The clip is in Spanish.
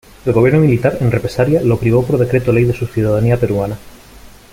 El gobierno militar, en represalia, lo privó por decreto-ley de su ciudadanía peruana.